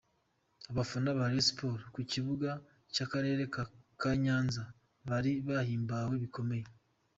Abafana ba Rayon Sport ku kibuga cy’akarere ka Nyanza bari bahimbawe bikomeye.